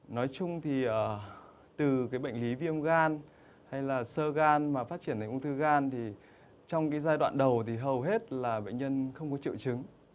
nói chung thì từ cái bệnh lý viêm gan hay là sơ gan mà phát triển thành ung thư gan thì trong cái giai đoạn đầu thì hầu hết là bệnh nhân không có triệu chứng